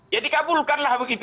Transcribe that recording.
ya dikabulkanlah begitu